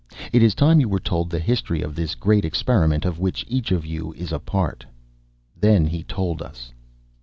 "It is time you were told the history of this great experiment of which each of you is a part." Then he told us.